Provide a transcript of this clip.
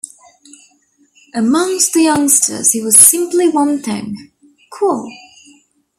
Amongst the youngsters he was simply one thing: cool.